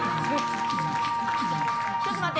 ちょっと待って！